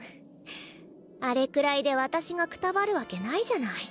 あれくらいで私がくたばるわけないじゃない。